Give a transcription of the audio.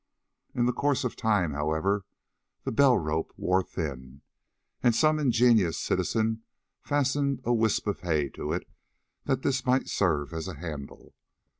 In the course of time, however, the bell rope wore thin, and some ingenious citizen fastened a wisp of hay to it, that this might serve as a handle.